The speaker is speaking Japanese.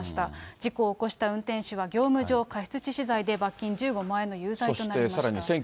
事故を起こした運転手は、業務上過失致死罪で罰金１５万円の有罪となりました。